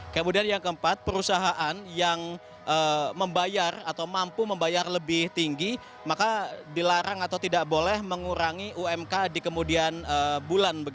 kemudian yang keempat perusahaan yang membayar atau mampu membayar lebih tinggi maka dilarang atau tidak boleh mengurangi umk di kemudian bulan